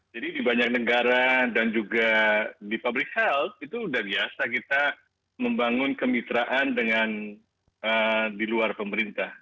jadi di banyak negara dan juga di public health itu udah biasa kita membangun kemitraan dengan di luar pemerintah